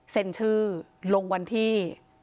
เซ็นชื่อลงวันที่